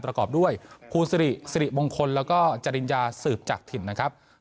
ประกอบด้วยภูสิริสิริมงคลแล้วก็จริญญาสืบจากถิ่นนะครับ